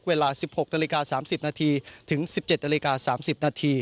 ลุกเวลา๑๖น๓๐นถึง๑๗น๓๐น